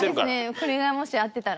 これがもし合ってたら。